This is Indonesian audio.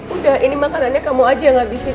udah ini makanannya kamu aja yang ngabisin